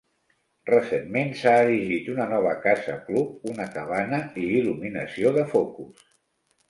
Recentment s'ha erigit una nova casa club, una cabana i il·luminació de focus.